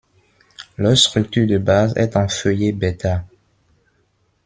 Leur structure de base est en feuillet bêta.